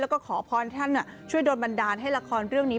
แล้วก็ขอพรท่านช่วยโดนบันดาลให้ละครเรื่องนี้